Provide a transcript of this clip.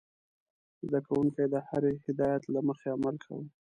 زده کوونکي د هرې هدايت له مخې عمل کاوه.